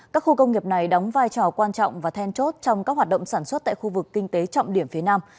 các khu công nghiệp này đóng vai trò quan trọng và then chốt trong các hoạt động sản xuất tại khu vực kinh tế trọng điểm phía nam